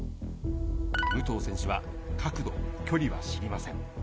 武藤選手は角度、距離は知りません。